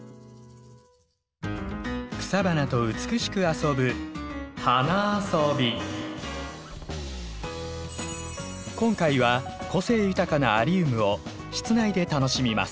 草花と美しく遊ぶ今回は個性豊かなアリウムを室内で楽しみます。